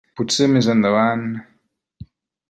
Potser més endavant.